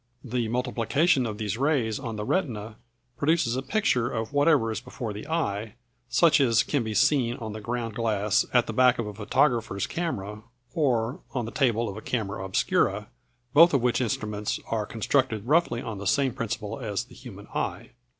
The multiplication of these rays on the retina produces a picture of whatever is before the eye, such as can be seen on the ground glass at the back of a photographer's camera, or on the table of a camera obscura, both of which instruments are constructed roughly on the same principle as the human eye.